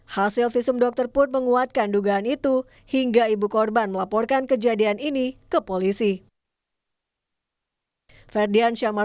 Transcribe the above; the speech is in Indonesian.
hasil visum dokter pun menguatkan dugaan itu hingga ibu korban melaporkan kejadian ini ke polisi